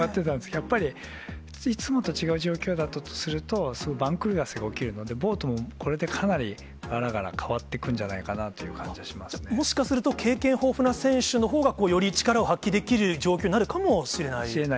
やっぱりいつもと違う状況だとすると、番狂わせが起きるので、ボートも、これでかなりがらがら変わってくんじゃないかなという感じがしまじゃあ、もしかすると、経験豊富な選手のほうが、より力を発揮できる状況になるかもしれしれない。